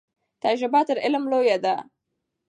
تجربه تر علم لویه ده.